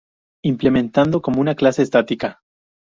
Implementado como una clase estática.